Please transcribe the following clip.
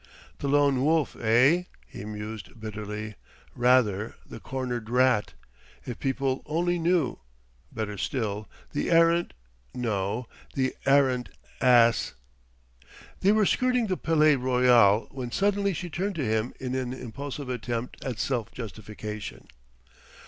"The Lone Wolf, eh?" he mused bitterly. "Rather, the Cornered Rat if people only knew! Better still, the Errant no! the Arrant Ass!" They were skirting the Palais Royal when suddenly she turned to him in an impulsive attempt at self justification.